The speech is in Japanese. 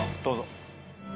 どうぞ。